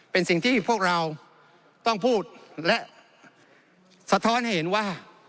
เป็นสิ่งที่พวกเราต้องพูดและสะท้อนให้เห็นว่า